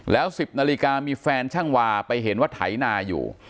แล้ว๑๐นาฬิกามีแฟนช่างวาไปเห็นว่าไถนาอยู่